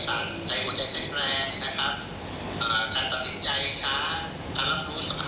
ก็คืออาจจะเป็นเรื่องของประวัติศาสตรีกด้าน